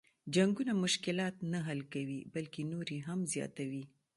جنګونه مشلات نه حل کوي بلکه نور یې هم زیاتوي.